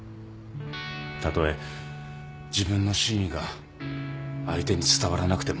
たとえ自分の真意が相手に伝わらなくても。